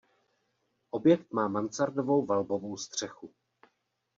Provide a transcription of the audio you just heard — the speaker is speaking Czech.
Objekt má mansardovou valbovou střechu.